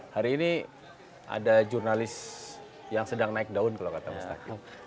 hari ini ada jurnalis yang sedang naik daun kalau kata mustahil